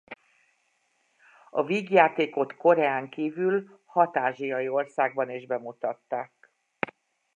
A vígjátékot Koreán kívül hat ázsiai országban is bemutatták.